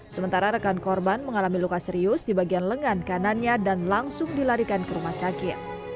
sementara rekan korban mengalami luka serius di bagian lengan kanannya dan langsung dilarikan ke rumah sakit